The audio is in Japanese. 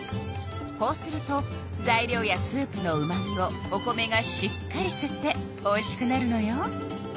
こうすると材料やスープのうまみをお米がしっかりすっておいしくなるのよ。